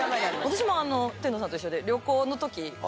私も天童さんと一緒で。